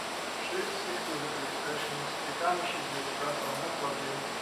Wszyscy, którzy tu jesteśmy, stykamy się z jego pracą na co dzień